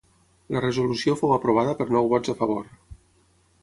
La resolució fou aprovada per nou vots a favor.